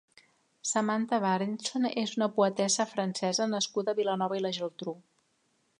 Samantha Barendson és una poetessa francesa nascuda a Vilanova i la Geltrú.